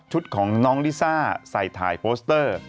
ของน้องลิซ่าใส่ถ่ายโปสเตอร์